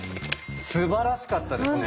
すばらしかったですね。